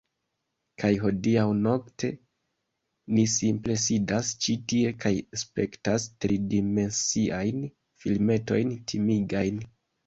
Kaj hodiaŭnokte ni simple sidas ĉi tie kaj spektas tridimensiajn filmetojn timigajn